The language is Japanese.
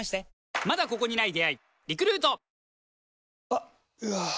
あっ、うわー。